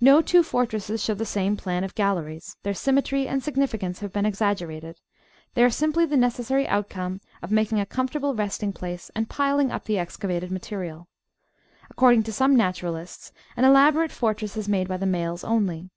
No two "fortresses" show the same plan of galleries; their symmetry and significance have been exaggerated; they are simply the necessary outcome of making a comfortable resting place and piling up the excavated material. According to some naturalists, an elaborate "fortress" is made by the males only.